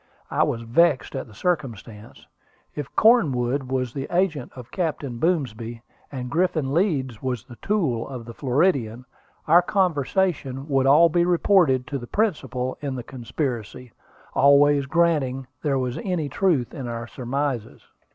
I was vexed at the circumstance. If Cornwood was the agent of Captain Boomsby, and Griffin Leeds was the tool of the Floridian, our conversation would all be reported to the principal in the conspiracy, always granting there was any truth in our surmises.